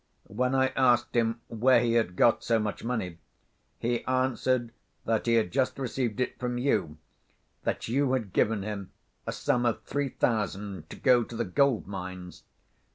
When I asked him where he had got so much money, he answered that he had just received it from you, that you had given him a sum of three thousand to go to the gold‐mines...."